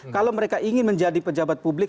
kalau mereka ingin menjadi pejabat publik